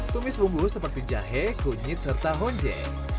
tumis bumbu seperti jahe kunyit serta honje